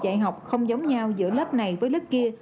dạy học không giống nhau giữa lớp này với lớp kia